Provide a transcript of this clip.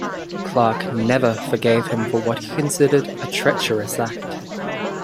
Clarke never forgave him for what he considered a treasonous act.